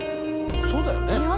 そうだよね。